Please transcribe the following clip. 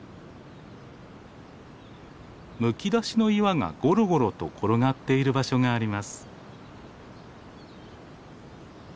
むき出しの岩がゴロゴロと転がっている場所があります。